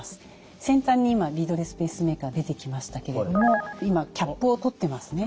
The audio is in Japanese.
先端に今リードレスペースメーカー出てきましたけれども今キャップを取ってますね。